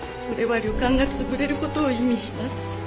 それは旅館が潰れる事を意味します。